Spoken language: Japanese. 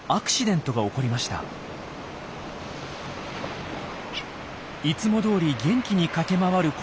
いつもどおり元気に駆け回る子どもたち。